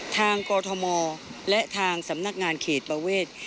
กอทมและทางสำนักงานเขตประเวท